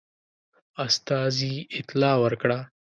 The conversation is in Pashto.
استازي اطلاع ورکړه.